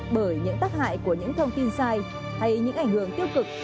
bởi những tác hại của những thông tin sai hay những ảnh hưởng tiêu cực